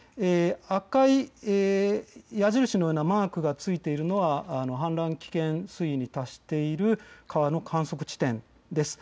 赤い矢印のようなマークがついているのは氾濫危険水位に達している川の観測地点です。